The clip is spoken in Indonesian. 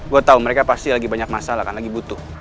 gue tau mereka pasti lagi banyak masalah karena lagi butuh